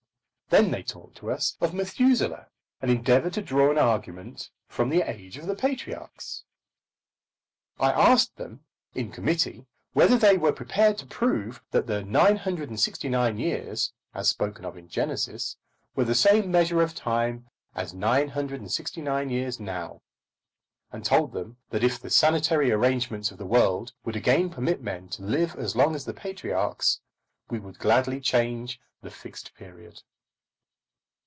Then they talked to us of Methuselah, and endeavoured to draw an argument from the age of the patriarchs. I asked them in committee whether they were prepared to prove that the 969 years, as spoken of in Genesis, were the same measure of time as 969 years now, and told them that if the sanitary arrangements of the world would again permit men to live as long as the patriarchs, we would gladly change the Fixed Period.